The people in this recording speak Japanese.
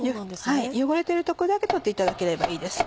汚れてる所だけ取っていただければいいです。